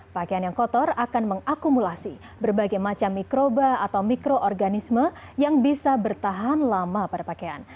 pakaian yang kotor akan mengakumulasi berbagai macam mikroba atau mikroorganisme yang bisa bertahan lama pada pakaian